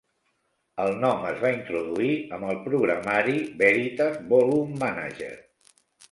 El nom es va introduir amb el programari Veritas Volume Manager.